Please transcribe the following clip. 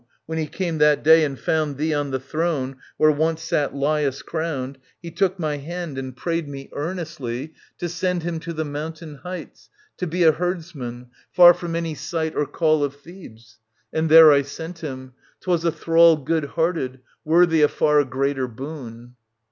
When he came that day, and found Thee on the throne where once sat Lalus crowned, He took my hand and prayed me earnestly 44 ^.761 779 OEDIPUS, KING OF THEBES To send him to the mountain heights, to be A herdsman, far from any sight or call Of Thebes, And there I sent him. 'Twas a thrall Good hearted, worthy a far greater boon.